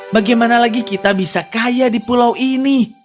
bagaimana lagi kita bisa kaya di pulau ini